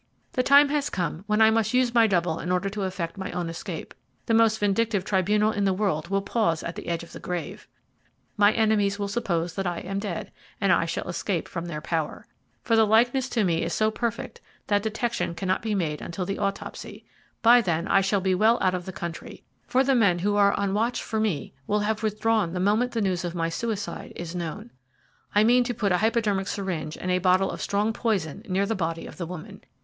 "'The time has come when I must use my double in order to effect my own escape. The most vindictive tribunal in the world will pause at the edge of the grave. My enemies will suppose that I am dead, and I shall escape from their power, for the likeness to me is so perfect, that detection cannot be made until the autopsy. By then I shall be well out of the country, for the men who are on watch for me will have withdrawn the moment the news of my suicide is known. I mean to put a hypodermic syringe and a bottle of strong poison near the body of the woman.